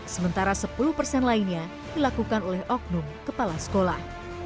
sementara sepuluh persen lainnya dilakukan oleh oknum kepala sekolah